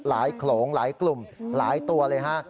โขลงหลายกลุ่มหลายตัวเลยฮะ